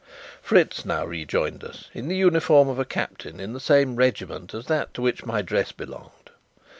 Fritz now rejoined us in the uniform of a captain in the same regiment as that to which my dress belonged.